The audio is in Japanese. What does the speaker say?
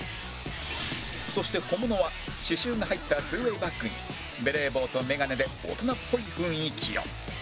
そして小物は刺しゅうが入ったツーウェイバッグにベレー帽と眼鏡で大人っぽい雰囲気を